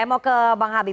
ya mau ke bang habib